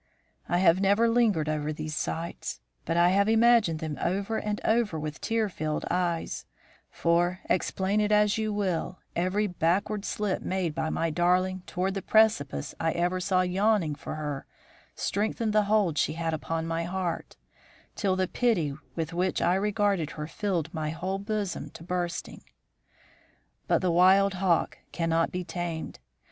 I have never lingered over these sights, but I have imagined them over and over with tear filled eyes, for, explain it as you will, every backward slip made by my darling toward the precipice I ever saw yawning for her strengthened the hold she had upon my heart, till the pity with which I regarded her filled my whole bosom to bursting. "But the wild hawk cannot be tamed.